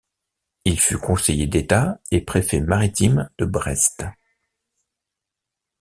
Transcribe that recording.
Il fut conseiller d'État et préfet maritime de Brest.